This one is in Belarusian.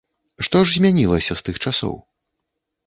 Што ж змянілася з тых часоў?